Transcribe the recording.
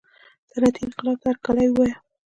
صنعتي انقلاب ته هرکلی ووایه.